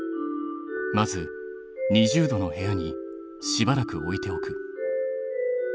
まず２０℃の部屋にしばらく置いておく。